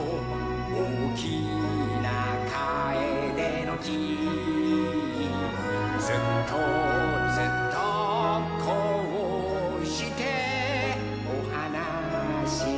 「おおきなカエデの木」「ずっとずっとこうしておはなししよう」